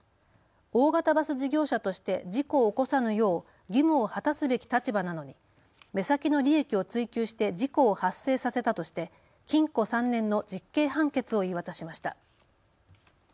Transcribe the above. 大型バス事業者として事故を起こさぬよう義務を果たすべき立場なのに目先の利益を追求して事故を発生させたとして禁錮３年の実刑判決を言い渡しました。